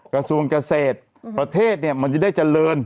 กระทรวงเกษตรประเทศเนี่ยมันจะได้เจริญ